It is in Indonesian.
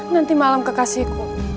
nanti malam kekasihku